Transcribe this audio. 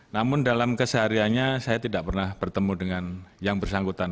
namun dalam kesehariannya saya tidak pernah bertemu dengan yang bersangkutan